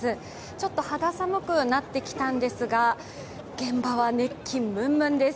ちょっと肌寒くなってきたんですが、現場は熱気ムンムンです。